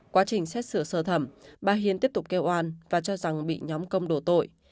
quá trình xét xử sơ thẩm bà hiền tiếp tục kêu oan và cho rằng bị nhóm công đổ tội